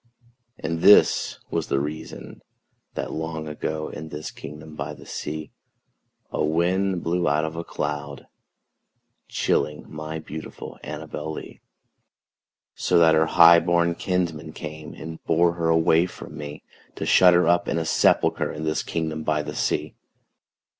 And this was the reason that, long ago, In this kingdom by the sea, A wind blew out of a cloud, chilling My beautiful ANNABEL LEE; So that her highborn kinsmen came And bore her away from me, To shut her up in a sepulchre In this kingdom by the sea.